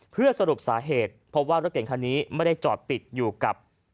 เพื่อสรุปสาเหตุเพราะว่ารถเก่งคันนี้ไม่ได้จอดติดอยู่กับ